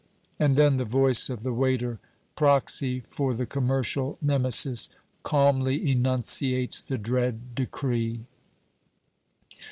And then the voice of the waiter proxy for the commercial Nemesis calmly enunciates the dread decree.